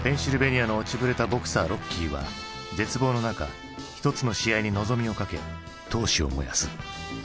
ニアの落ちぶれたボクサーロッキーは絶望の中一つの試合に望みをかけ闘志を燃やす。